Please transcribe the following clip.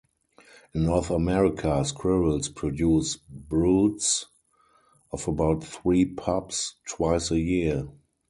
In North America, squirrels produce broods of about three "pups" twice a year.